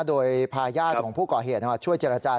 โดยพาญาติของผู้ก่อเหตุมาช่วยเจรจา